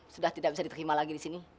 sudah tidak bisa diterima lagi di sini